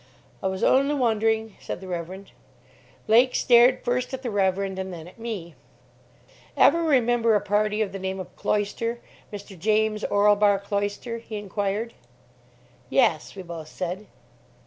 "I was only wondering," said the Reverend. Blake stared first at the Reverend and then at me. "Ever remember a party of the name of Cloyster, Mr. James Orlebar Cloyster?" he inquired. "Yes," we both said.